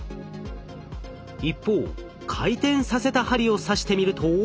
一方回転させた針を刺してみると。